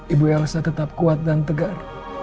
ibu elsa tetap kuat dan tegar